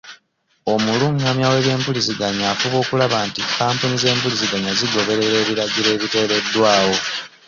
Omulungamya w'ebyempuliziganya afuba okulaba nti kampuni z'empuliziganya zigoberera ebiragiro ebiteereddwawo.